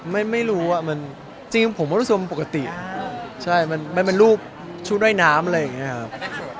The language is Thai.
ไม่รู้จริงผมก็รู้สึกว่ามันปกติมันเป็นรูปชุดใดน้ำอะไรอย่างนี้ครับ